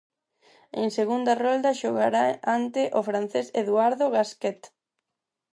En segunda rolda xogará ante o francés Eduardo Gasquet.